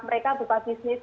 mereka buka bisnis